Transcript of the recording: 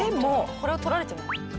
これを取られちゃう車。